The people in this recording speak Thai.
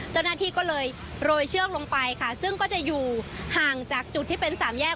เจ้าหน้าที่ก็เลยโรยเชือกลงไปค่ะซึ่งก็จะอยู่ห่างจากจุดที่เป็นสามแยก